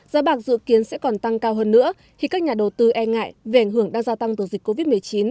giá bạc dự kiến sẽ còn tăng cao hơn nữa khi các nhà đầu tư e ngại về ảnh hưởng đang gia tăng từ dịch covid một mươi chín